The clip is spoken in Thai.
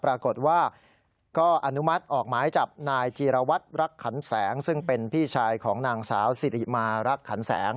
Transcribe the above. ปรากฏว่าก็อนุมัติออกหมายจับนายจีรวัตรรักขันแสงซึ่งเป็นพี่ชายของนางสาวสิริมารักขันแสง